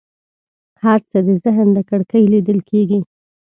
هر څه د ذهن له کړکۍ لیدل کېږي.